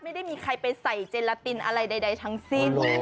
ไม่ได้มีใครไปใส่เจลาตินอะไรใดทั้งสิ้น